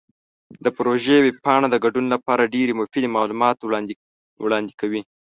د پروژې ویب پاڼه د ګډون لپاره ډیرې مفیدې معلومات وړاندې کوي.